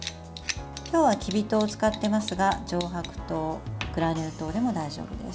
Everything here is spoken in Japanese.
今日はきび糖を使っていますが上白糖、グラニュー糖でも大丈夫です。